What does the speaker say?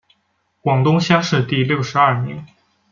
广东乡试第六十二名。